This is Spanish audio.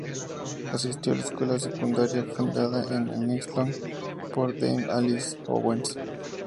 Asistió a la escuela secundaria fundada en Islington por Dame Alice Owens.